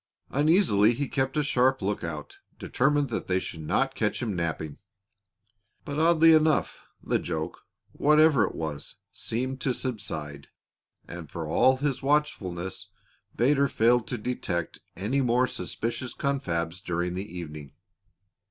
Uneasily, he kept a sharp lookout, determined that they should not catch him napping. But oddly enough, the joke, whatever it was, seemed to subside, and for all his watchfulness Vedder failed to detect any more suspicious confabs during the evening.